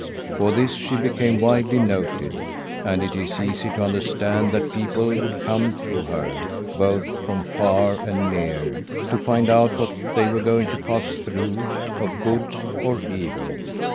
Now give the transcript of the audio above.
For this she became widely noted; and it is easy to understand that people would come to her, both from far and near, to find out what they were going to pass through of good or evil.